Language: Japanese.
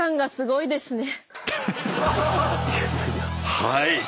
はい。